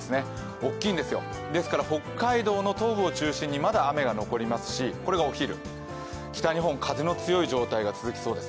大きいですよ、北海道の東部を中心にまだ雨が残りますし、これがお昼、北日本風が強い状態が続きそうです。